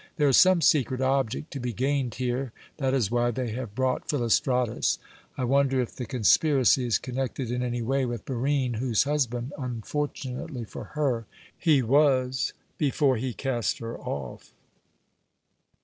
There is some secret object to be gained here. That is why they have brought Philostratus. I wonder if the conspiracy is connected in any way with Barine, whose husband unfortunately for her he was before he cast her off."